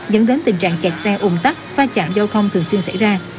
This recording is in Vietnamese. dẫn đến tình trạng kẹt xe ủng tắc pha chạm giao thông thường xuyên xảy ra